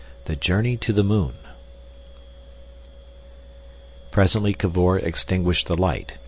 The Journey to the Moon Presently Cavor extinguished the light.